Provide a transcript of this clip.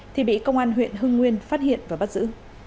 thì bị công an huyện hưng nguyên phát hiện và bắt giữ